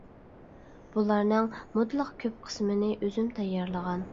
بۇلارنىڭ مۇتلەق كۆپ قىسمىنى ئۆزۈم تەييارلىغان.